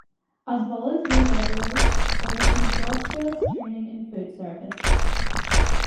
As volunteer laborers, they receive job skills training in food service.